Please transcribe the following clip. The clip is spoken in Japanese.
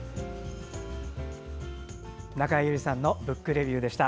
中江有里さんの「ブックレビュー」でした。